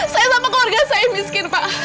saya sama keluarga saya miskin pak